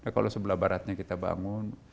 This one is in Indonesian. kalau sebelah baratnya kita bangun